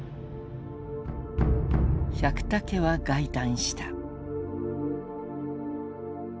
百武は慨嘆した。